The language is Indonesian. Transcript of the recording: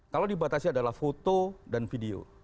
kalau dibatasi adalah foto dan video